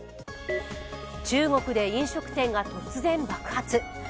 中国で飲食店が突然爆発。